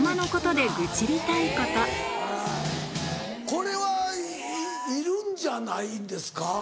これはいるんじゃないですか。